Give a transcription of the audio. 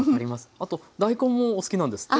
あと大根もお好きなんですって？